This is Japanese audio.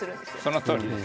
そのとおりです。